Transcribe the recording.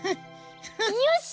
よし！